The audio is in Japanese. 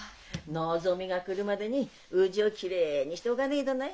のぞみが来るまでにうちをきれいにしておかねえとない。